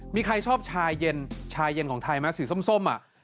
มีใครชอบชายเย็นชายเย็นของไทยไหมสีส้ม